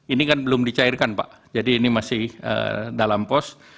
ini kan belum dicairkan pak jadi ini masih dalam pos